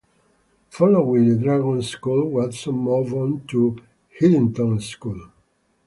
Following the Dragon School, Watson moved on to Headington School.